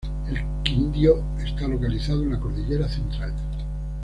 El Quindío está localizado en la cordillera central.